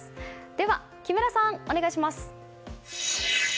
では木村さん、お願いします。